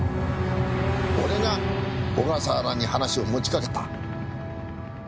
俺が小笠原に話を持ちかけた。